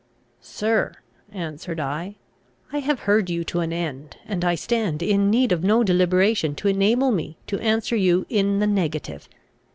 "Sir," answered I, "I have heard you to an end, and I stand in need of no deliberation to enable me to answer you in the negative.